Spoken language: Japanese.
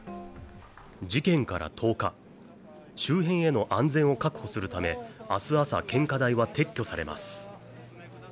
事件から１０日、周辺への安全を確保するため、明日朝、献花台は撤去されます。